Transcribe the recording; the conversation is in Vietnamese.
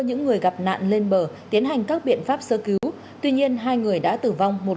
những người gặp nạn lên bờ tiến hành các biện pháp sơ cứu tuy nhiên hai người đã tử vong